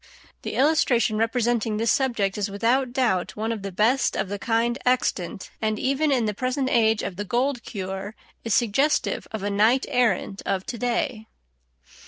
The illustration representing this subject is without doubt one of the best of the kind extant, and even in the present age of the gold cure is suggestive of a night errant of to day.